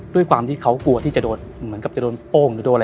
ด้วยความที่เขากลัวที่จะโดนโป้ง